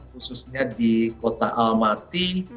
khususnya di kota almaty